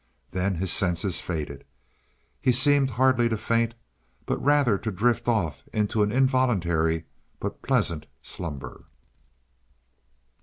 Then his senses faded. He seemed hardly to faint, but rather to drift off into an involuntary but pleasant slumber.